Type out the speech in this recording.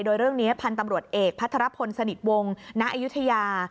โดยเรื่องนี้พันธ์ตำรวจเอกพัทรพลสนิทวงณอายุทยา